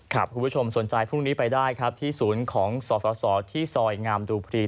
คุณผู้ชมสนใจพรุ่งนี้ไปได้ครับที่ศูนย์ของสสที่ซอยงามดูพรี